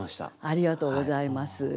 ありがとうございます。